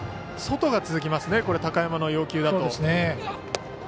外が続きますね高山の要求だと。